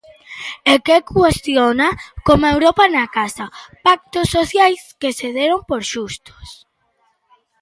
E que cuestiona, coma Europa na casa, pactos sociais que se deron por xustos.